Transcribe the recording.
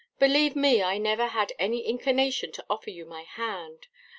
Believe me I never had any inclination to offer you my hand.